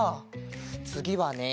つぎはね